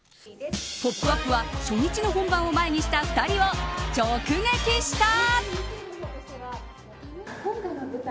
「ポップＵＰ！」は初日の本番を前にした２人を直撃した。